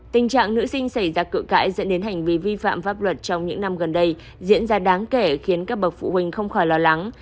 tình trạng nữ sinh xảy ra cự cãi dẫn đến hành vi vi phạm pháp luật trong những năm gần đây diễn ra đáng kể khiến các bậc phụ huynh không khỏi lo lắng